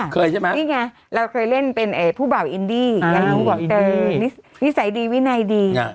ค่ะนี่ไงเราเคยเล่นเป็นผู้บ่าวอินดีอย่างผู้บ่าวอินดีนิสัยดีวินัยดี